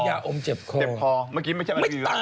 ยาอมเจ็บคอเมื่อกี้ไม่ใช่มันดีแล้ว